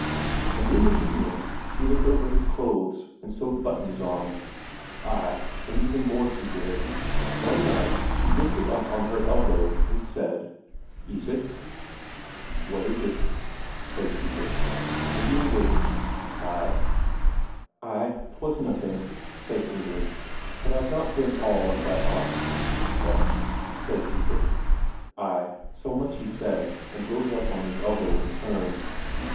And in the evenings, she looked over his clothes, and sewed buttons on. Ay, and even more she did. One night she lifted up on her elbow and said: "Isak?" "What is it?" says Isak. "Are you awake?" "Ay." "Nay, 'twas nothing," says Inger. "But I've not been all as I ought." "What?" says Isak. Ay, so much he said, and rose up on his elbow in turn.